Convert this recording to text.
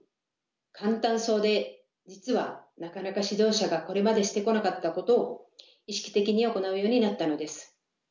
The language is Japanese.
簡単そうで実はなかなか指導者がこれまでしてこなかったことを意識的に行うようになったのです。